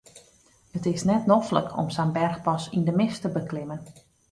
It is net noflik om sa'n berchpas yn de mist te beklimmen.